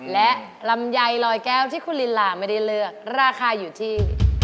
และลำไยลอยแก้วที่คุณลิลาไม่ได้เลือกราคาอยู่ที่